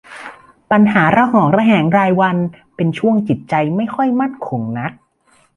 ปัญหาระหองระแหงรายวัน เป็นช่วงจิตใจไม่ค่อยมั่นคงนัก